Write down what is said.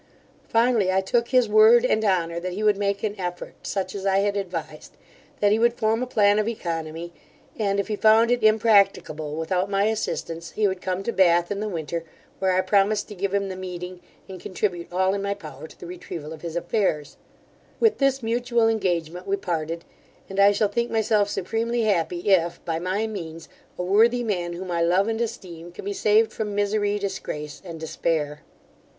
Finally, I took his word and honour that he would make an effort, such as I had advised; that he would form a plan of oeconomy, and, if he found it impracticable without my assistance, he would come to Bath in the winter, where I promised to give him the meeting, and contribute all in my power to the retrieval of his affairs With this mutual engagement we parted; and I shall think myself supremely happy, if, by my means, a worthy man, whom I love and esteem, can be saved from misery, disgrace, and despair.